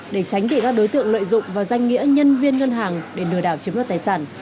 để tránh bị các đối tượng lợi dụng vào danh nghĩa nhân viên ngân hàng để lừa đảo chiếm đoạt tài sản